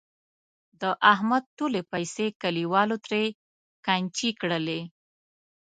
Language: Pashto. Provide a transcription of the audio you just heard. د احمد ټولې پیسې کلیوالو ترې قېنچي کړلې.